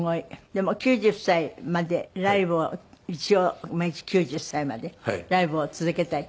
でも９０歳までライブを一応９０歳までライブを続けたい。